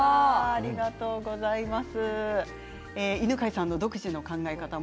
ありがとうございます。